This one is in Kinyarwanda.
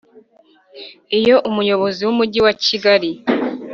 Iyo Umuyobozi w Umujyi wa Kigali